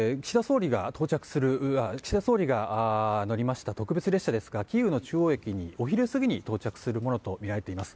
岸田総理が乗りました特別列車ですがキーウの中央駅にお昼過ぎに到着するものとみられています。